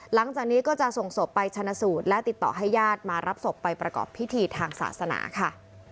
หลังจากนี้ก็จะส่งศพไปชนะสูตรและติดต่อให้ญาติมารับศพไปประกอบพิธีทางศาสนาค่ะ